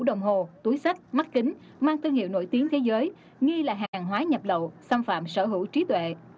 tất cả những sản phẩm túi sách mắt kính mang thương hiệu nổi tiếng thế giới nghi là hàng hóa nhập lậu xâm phạm sở hữu trí tuệ